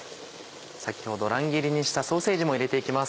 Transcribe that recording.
先ほど乱切りにしたソーセージも入れて行きます。